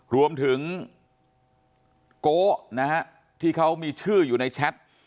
รวมถึงโก๊นะฮะที่เขามีชื่ออยู่ในแชท